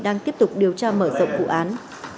đang tiếp tục điều tra mở rộng vụ án